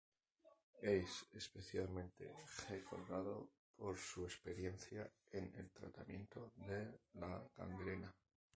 Es especialmente recordado por su experiencia en el tratamiento de la gangrena.